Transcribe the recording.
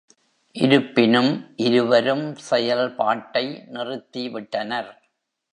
இருப்பினும், இருவரும் செயல்பாட்டை நிறுத்திவிட்டனர்.